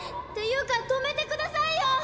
っていうか止めてくださいよ！